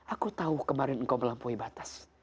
aku tahu kemarin engkau melampaui batas